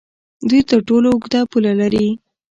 دوی تر ټولو اوږده پوله لري.